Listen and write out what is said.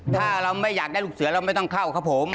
ถ้าเราไม่อยากได้ลูกเสือเราไม่ต้องเข้าครับผม